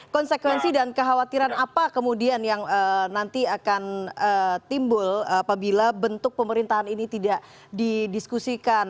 konsekuensi dan kekhawatiran apa kemudian yang nanti akan timbul apabila bentuk pemerintahan ini tidak didiskusikan